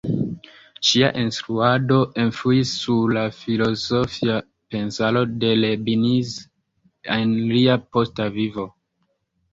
Ŝia instruado influis sur la filozofia pensaro de Leibniz en lia posta vivo.